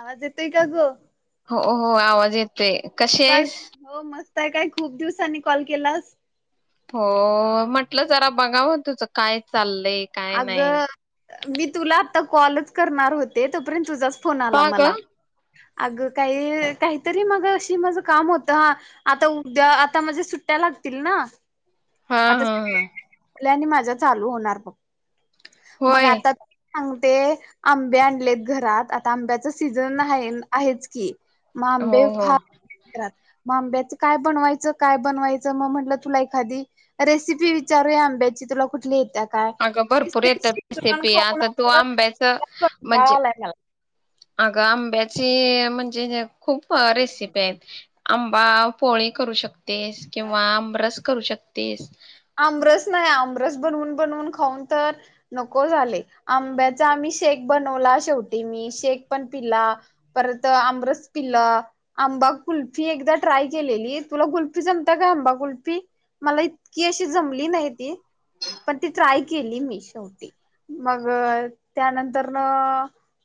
आवाज येतोय का गं? हो हो आवाज येत. ततय कशी काय आहेस? [unintelligible] काय खूप दिवसांनी कॉल केलास? हो म्हटलं जरा बघाव तुझं काय चाललं. अग मी तुला आता कॉलच करणार होते तोपर्यंत तुझाच फोन आला का ग मला. अग काही काहीतरी मगाशी माझ काम होतं, हा आता उद्या आता, माझ्या सुट्ट्या लागतील ना. अ हाहा! आणि माझा चालू होणार बघ. मग होय आता सांगते आंबे आणलेत घरात. आता आंब्याच, सीझन आहे आहेच की. म हो आंबे, हो फार आहेत घरात. आंब्याचं काय बनवायचं, काय बनवायचं म म्हंनलं तुला एखादी रेसिपी विचारू या आंब्याची तुला कुठली येतात. अगं भरपूर येतात रेसिपी आता तू आंब्याच कंटाळा म्हणजे आलाय मला अगं आंब्या ते म्हणजे. खूप रेसिपी आहेत आंमं म पोळी करू शक तेस किंवा आमरस. करू शकतीस. आमरस नाही आमरस बनवून, बनवून, खाऊन तर नको झाले आंब्याचा आम्ही शेक बनवला. शेवटी मी शेक पण पिला, परत आमरस पिला, आंबा कुल्फी, एकदा ट्राय केलेली तुला कुल्फी जमता काय आंबा कुल्फी मला इत की अशी जमली नाही ती. पण ती ट्राय केली मी शेवटी मग त्यानंतर,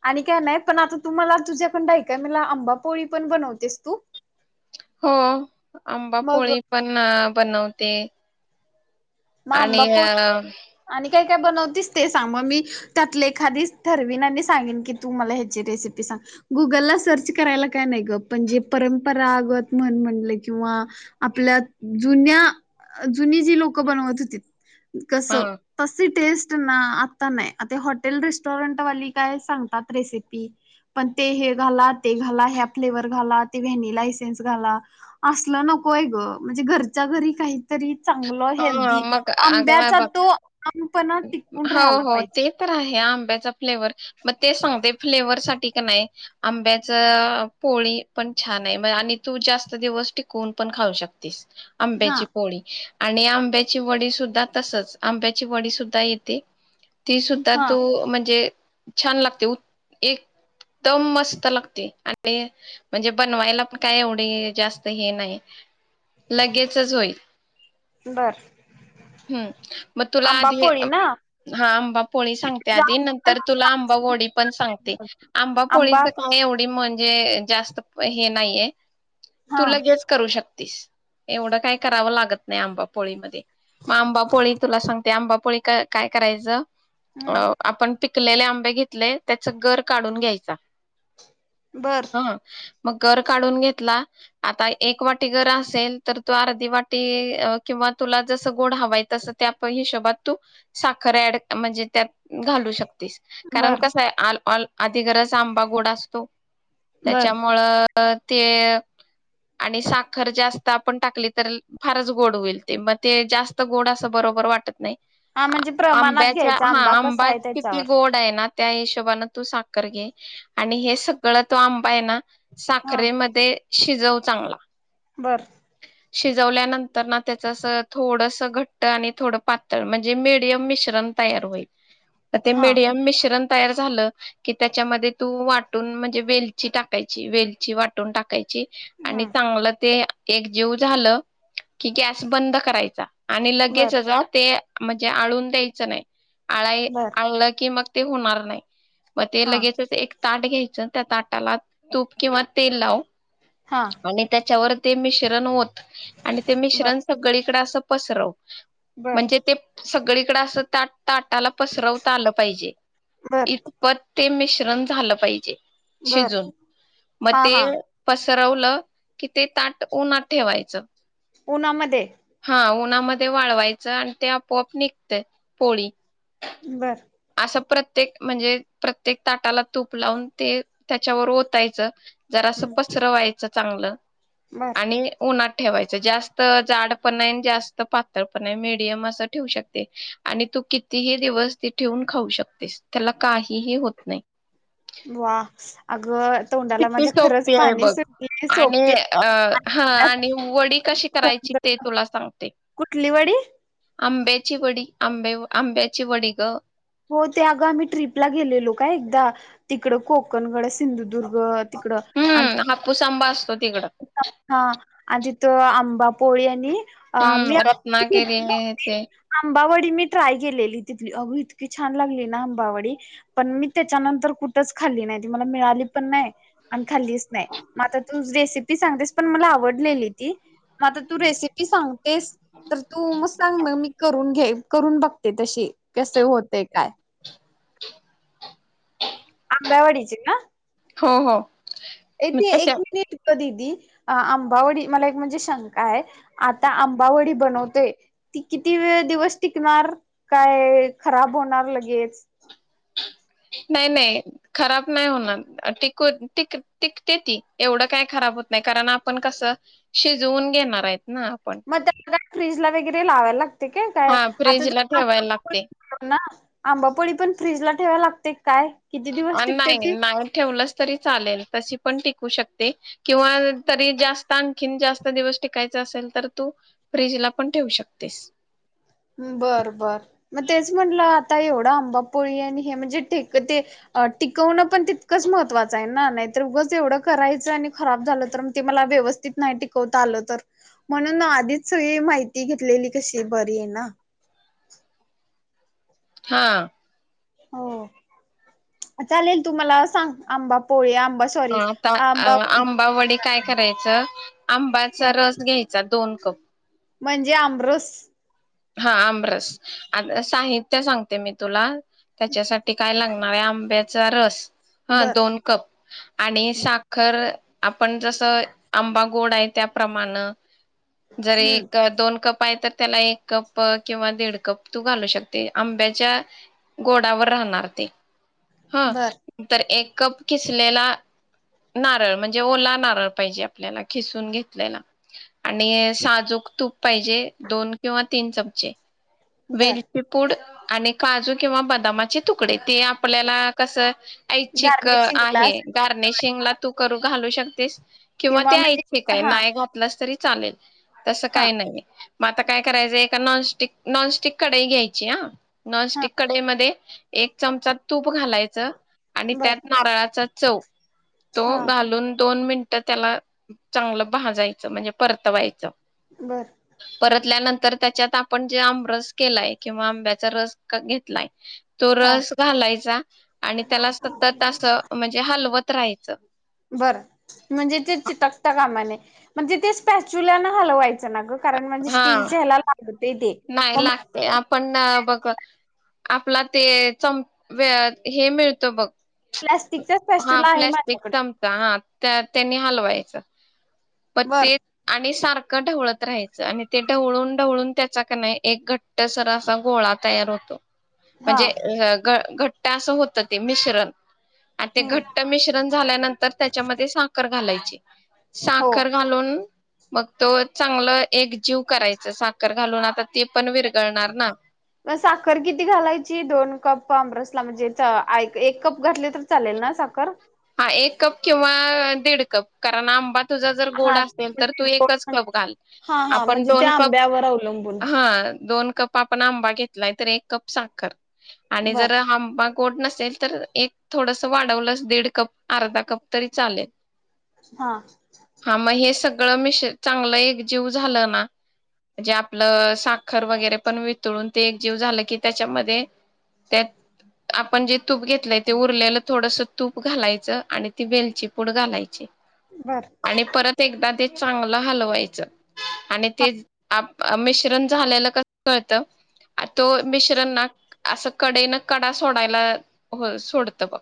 आणि काय नाही पण आता तु मला तुझ्या पन काही, काही, म्हणलं आंबा पोळी पण बनवतेस तू? हो मग आंबापोळी पण! बनवते. मग आणि आंबापोळी अ आणि काय, काय, बनवतीस ते सांग. म मी त्यातले एखादीच ठरवीन आणि सांगेन की तू मला ह्याची रेसिपी सांग. गुगलला सर्च करायला काय नाही ग. पणजे परंपरागत म्हण म्हनलं किंवा आपल्या जुन्या जुनी जी लोक बनवत होतीत. हा कसं. तस टेस्ट ना आता नाही आता हॉटेल रेस्टॉरंटवाली काय सांगतात रेसिपी पण. ते हे घाला, ते घाला, ह्या फ्लेवर्स घाला, ते व्हॅनिला इसेन्स घाला, असल नको आहे ग म्हणजे घरच्या घरी काही. तरी चांगल हा हेल्दी मग अग आंब्याचा बघ तो ठामपणा टिकून हो, राहायला हो पाहिजे. ते तर आहे. आंब्याचा फ्लेवर मग ते सांगते फ्लेवर साठी का नाही आंब्याच पोळी पण छान आहे, म आणि तू जास्त दिवस टिकवून पण खाऊ शकतीस. हा. आंब्याची पोळी. आणि आंब्याची वडी, सुद्धा तसच आंब्याची वडी सु येते. ती सुद्धा हा तु म्हणजे. छान लागते, एकदम मस्त लागते, आणि म्हणजे बनवायला पण काय एवढे जास्त हे नाही. लगेचच होईल बर म तुला आंबा आधी हे पोळी ना हा आंबा पोळी सांगते आधी जास्त नंतर त्याला तुला आंबावडी पण सांगते, आंबा पोळी खाऊन घे एवढी मग- हे जास्त प हे नाहीये. हा. तु लगेच करू शकते. एवढं काय करावं लागत नाही आंबापोळी मध्ये म आंबापोळी तुला सांगते आंबापोळी- क काय करायचं- हम्म अ आपण पीक- पिकलेले आंबे घेतले, त्याचा गर काढून घ्यायचा. बर. हं. मग गर काढून घेतला आता एक वाटी गर असेल तर तो अर्धी वाटी- किंवा तुला जसं गोड हवय तसं ते आपण घेऊ शकतो. तूप -साखर ऍड म्हणजे त्यात- घालू शकतेस कारण बर कस आहे ऑल ऑल- आधी [unintelligible] आंबा गोड असतो. बर. त्याच्यामुळं - अ ते -आणि साखर जास्त आपण टाकली तर फारच गोड होईल. म ते जास्त गोड असं बरोबर वाटत नाही. हा आ म्हणजे प्रमाणात -आंब्याच्या- घ्यायचा हा कसा आंबा आहे किती त्याच्यावर. गोड आहे ना- त्या हिशोबान तू साखर घे आणि हे सगळं तो आंबा आहे ना? साखरेमध्ये- शिजव चांगला. बरं. शिजवल्यानंतर ना त्याचअसं थोडस घट्ट आणि थोड पात- तर म्हणजे मिडियम मि [unintelligible] जमतंय आरोही, ते हा. मिडियम मिक्चर - तयार झालं, की त्याच्यामध्ये तू वाटून म्हणजे वेलची टाकायची वेलची वाटून टाकायची. आणि हम्म चांगलं ते- एकजीव झालं, की गॅस बंद करायचा. आणि बर लगेचच अ ते- म्हणजे आळून द्यायचं नाही. आळाई बर. आळल की मग- ते होणार नाही. म ते हा लगेचच एक- ताट घ्यायचं त्या ताटाला तूप किंवा तेल लाव. हा. आणि त्याच्यावर- ते मिश्रण ओत. आणि ते बर मिश्रण सगळी- तिकड असं पसरव. बर म्हणजे ते. सगळीकडे अस ताट ताटाला पसरवता आलं पाहिजे. बर इतपत. ते मिश्रण झालं पाहिजे. बर शिजून मग हा ते हा पस सरवलं की ते ताट उन्हात ठेवायचं. उन्हामध्ये. ह उन्हामध्ये वाळवायचं आण ते. आपोआप निघते पोळी. बरं. अस प्रत्येक म्हणजे प्रत्येक ताटाला तूप लावून ते त्याच्यावर ओतायचं. जरा असं हम्म पसरंवायचं. चांगलं. बर. आणि उन्हात. ठेवायच जास्त जाड पण नाही जास्त पातळ पण नाही मेडियम अस ठेउ शकते, आणि तू कितीही दिवस ते ठेवून खाऊ शकतेस त्याला काहीही होत नाही. वा अगं. तोंडाला किती माझ्या खरंच सोपीये पाणी बघ सुटले आणि सोपते अ हा आणि वडी कशी करायची ते तुला सांगते. कुठली वडी आंब्याची वडी आंब्या आंब्याची वडी गं. हो ते अगं आम्ही ट्रिपला गेलेलो का एकदा तिकड कोकणगड असं सिंधुदुर्ग तिकडं आणि. हम्म हापूस आंबा असतो तिकडं हा. आणि तिथ आंबा पोळी आणि. अ मी हम्म रत्नागिरी हे [unintelligible] ते आंबावडी मी ट्राय केलेली. तिथली अगं इतकी छान लागली ना अंबावडे, पण मी त्याच्यानंतर कुठंच खाल्ली नाय, मला मिळाली पण नाही. खाल्लीच नाही मग आता तुच रेसिपी. ती सांगतेस पण मला आवडलेली ती. आ आता तू रेसिपी सांगतेस तर तू सांग मग मी करून घेईल. करून बघते तशी कसे होते काय. आंबावडीची ना. हो हो. ए मग ते त्याच्या एक मिनिट गं दीदी. अ आंबावडी मला एक म्हणजे शंका आहे आता आंबावडी बनवतेय ती किती वेळ दिवस टिकणार काय खराब होणार लगेच. नाही नाही खराब नाही होणार टिक टिकते ती एवढं काही खराब होत नाही., कारण आपण कसं शिजवून घेणार आहेत. [unintelligible] फ्रीज ला वगैरे लावायला लागते. ठीक आहे काय हा आता फ्रीजला ठेवायला लागते ना आंबापोळी पण फ्रीज ला ठेवायला लागते. काय किती दिवस टिकते नाही ती नाही ठेवलंच तरी चालेल तशी पण टिकू शकते. किंवा तरी जास्त आणखी जास्त दिवस टिकाय असेल तर तू फ्रीजला पण ठेवू शकतेस. बर बर मग तेच म्हटलं आता एवढं आंबापोळी आणि हे म्हणजेे ते टिकवणं पण तितकंच महत्त्वाचं [unintelligible] ये आहे ना. हा. हो चालेल. तुम्हाला सांग आंबापोळी आंबा हा सॉरी आता आंबावडी आंबा वडी काय करायचं. आंबाच रस घ्यायच. दोन कप म्हणजे आमरस हा आमरस आ साहित्य सांगते मी तुला त्याच्यासाठी काय लागणार? म आंब्याचा रस हा बर दोन कप आणि साखर आपण जसं आंबा गोड आहे त्याप्रमाण जरी हम्म एक दोन कप पाय तर त्याला एक कप किंवा दीड कप तू घालू शकते आंब्याच्या गोडावर राहणार ते. हा बर तर एक कप खिसलेला नारळ म्हणजे ओला नारळ पाहिजे आपल्याला खिसून घेतलेला. किंवा तीन चमचे बर वेलची पूड आणि काजू किंवा बदामाचे तुकडे ते आपल्याला कसं ऐच्छिक गार्निशिंगला आहे गार्निशिंग ला तू करून घालू शकतेस. किंवा ते म्हणजे ऐच्छिक काय हा नाही घातलस तरी, चालेल. तसं हा काही नाही. मग आता काय करायचंय एक नॉनस्टिक नॉनस्टिक कढई घ्यायची हा हा नॉनस्टिक कढईमध्ये एक चमचा तूप घालायच. आणि बर त्यात नारळाच चव तो हा घालून दोन मिनट त्याला चांगलं भाजायचं म्हणजे परतवायचं. बरं. टाकल्यानंतर त्यांच्यात आपण जे आंबरस केलाय किंवा आंब्याचा रस घेतलाय. तो हा रस घालायचा आणि त्याला सतत अस म्हणजे हलवत राहायचं. बर म्हणजे ते चिटकता कामा नये म्हणजे ते स्पॅच्युल्यान हलवाय चना ग कारण म्हणजे स्टीलच्या ह्याला लागते ते नाय मग लागते आपण ना आ बग क आपला ते चम वे हे मिळतं बघ प्लास् हा प्लाॅस्टिक चमचा हा त्या त्यांनी हलवायच प बर ते आणि सारखं क ढवळत राहायचं आणि ते ढवळून ढवळून त्याचा कनाय एक घट्ट सर असा गोळा तयार होतो. हा म्हणजे [unintelligible] घट्ट असं होत ते मिश्रण आणि ते हम्म घट्ट मिश्रण झाल्यानंतर त्यांच्यामध्ये साखर घालाय हो साखर घालून मग तो चांगलं एक जीव करायचं साखर घालून आता ती पण विरघळणार ना म साखर किती घालायची दोन कप आंबरस म्हणजे च एक कप घातली तर चालेल ना साखर हा एक कप किंवा दीड कप कारण आंबा तुझा जर गोड हा असेल तर तू म्हणजे एकच गोड कप घाल हा हा आपण म्हणजे दोन त्या कप आंब्यावर अवलंबून हा दोन कप आपण आंबा घेतलाय तर एक कप साखर आणि बर जर हं बाग गोड नसेल तर एक थोडंसं वाढ वलस दीड कप अर्धा कप तरी चालेल. हा हा मग हे सगळं मिश चांगलं एक जीव झालं ना म्हणजे आपलं साखर वगैरे पण वितळून ते एक जीव झालं की त्यांच्यामध्ये त्यात आपण जे तूप घेतलंय ते उरलेलं- थोडसं तूप घालायचं आणि ती वेलची पूड घालायची. बर आणि परत एकदा ते चांगलं हलवायचं आणि तेज मिश्रण झालेलं कसं कळत तो मिश्रण ना असं कडे न कडा सोडायला हो सोडतं बघ.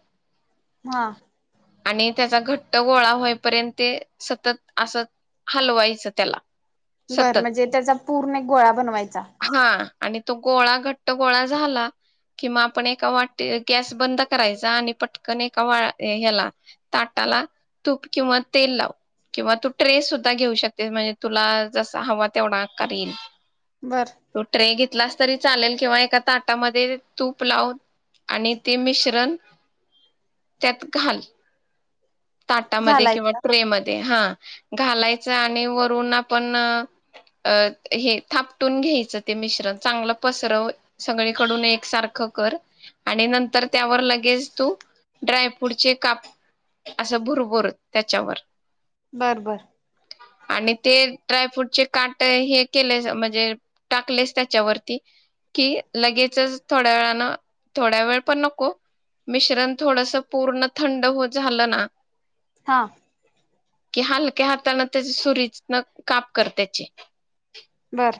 हा आणि त्यांचा घट्ट गोळा होयपर्यंत ते सतत असं हलवायचं त्याला सतत बरं म्हणजे त्यांचा पूर्ण एक गोळा बनवायचा. हा आणि तो गोळा घट्ट गोळा झाला किंवा आपण एका वाटी गॅस बंद करायचा आणि पट कण एका वा ह्याला ताटाला तूप किंवा तेल लाव किंवा तू ट्रे सुद्धा घेऊ शकतेस म्हणजे तुला जसा हवा तेवढा आकार येईल. बर तू ट्रे घेत लास तरी चालेल किंवा एका ताटामध्ये तूप लावून आणि ते मिश्रण त्यात घाल. ताटामध्ये किंवा घालायचा ट्रे मध्ये हा. घालायच आणि वरून आपण अ हे थापटून घ्यायचं ते मिश्रण चांगलं पसरव सगळीकडून एकसारखं कर आणि नंतर त्यावर लगेच तू ड्रायफ्रूटचे काप, असं भुरभुर त्याच्यावर. बर बर. आणि ते ड्रायफ्रूटचे काट हे केले म्हणजे, टाकलेस त्याच्यावरती कि लगेचच थोड्या वेळान थोड्या वेळ पण नको मिश्रण थोडस पूर्ण थंड होत झालं ना- हा. कि हलक्या हातान त्याची सुरी न काप कर त्याचे. बरं.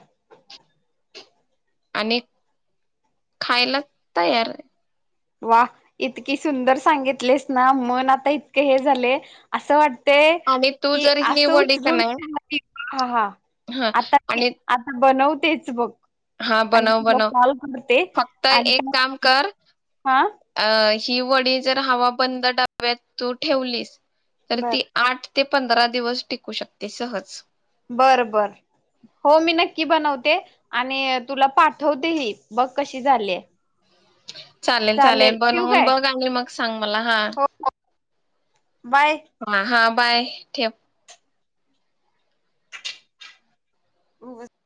आणि -खायला तयार आहे. वा! इतकी सुंदर सांगितलेस ना मन आता इतकं हे झालेय असं वाटतंय ते आणि तू की जर ही अस वडी का उचलून नाही [unintelligible] हां आता ते [unintelligible] आपण बनवूत - तेच बघ. हा आणि बनव तुला बनव, कॉल करते फक्त आणि एक काम काय कर- हा अ. ही वडी जर हवा बंद डब्यात तू ठेवलीस तर बर ती आठ ते पंधरा दिवस टिकू शकते सहज. बर बर, हो मी नक्की बनवते आणि तुला पाठवते ही बघ कशी झाली?? चालेल चालेल बनवून बघ आली मग सांग मला हा- हो हो बाय हा हा. बाय ठेव. [unintelligible]